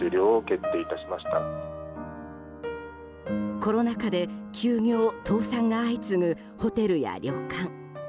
コロナ禍で休業・倒産が相次ぐホテルや旅館。